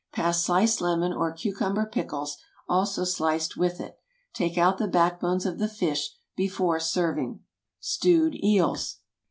Pass sliced lemon or cucumber pickles, also sliced, with it. Take out the backbones of the fish before serving. STEWED EELS.